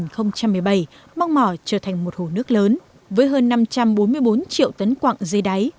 năm hai nghìn một mươi bảy mong mỏ trở thành một hồ nước lớn với hơn năm trăm bốn mươi bốn triệu tấn quặng dây đáy